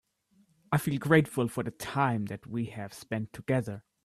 I feel grateful for the time that we have spend together.